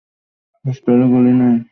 পিস্তলে গুলি নেই!